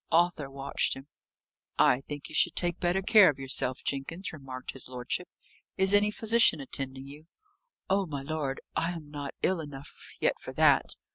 Arthur watched him. "I think you should take better care of yourself, Jenkins," remarked his lordship. "Is any physician attending you?" "Oh, my lord, I am not ill enough yet for that.